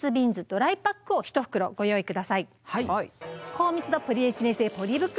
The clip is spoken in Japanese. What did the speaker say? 高密度ポリエチレン製ポリ袋。